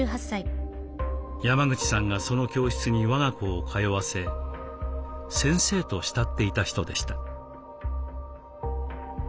山口さんがその教室に我が子を通わせ先生と慕っていた人でした。